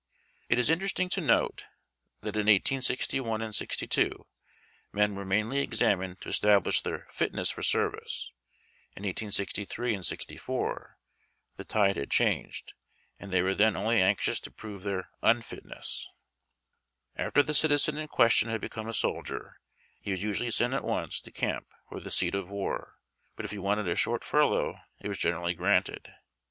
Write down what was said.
It is interest ing to note that in 1861 and '62 men were mainly examined to establish their fitness for service ; in 1863 and '64 the tide had changed, and they were then only anxious to prove their wdltuess. After the citizen in question had become a soldier, he was usually sent at once to camp or the seat of war, but if he wanted a short furlough it was generally granted.